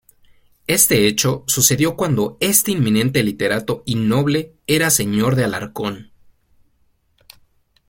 Este hecho sucedió cuando este eminente literato y noble era señor de Alarcón.